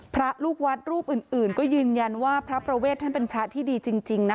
พระลูกวัดรูปอื่นก็ยืนยันว่าพระประเวทท่านเป็นพระที่ดีจริงนะ